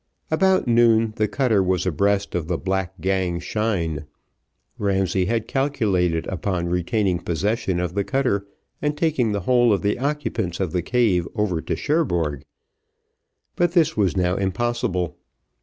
About noon, the cutter was abreast of the Black Gang Chine: Ramsay had calculated upon retaining possession of the cutter, and taking the whole of the occupants of the cave over to Cherbourg, but this was now impossible.